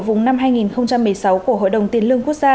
vùng năm hai nghìn một mươi sáu của hội đồng tiền lương quốc gia